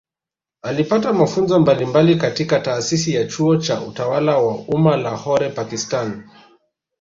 Alipata mafunzo mbalimbali katika Taasisi ya Chuo cha Utawala wa Umma Lahore Pakistani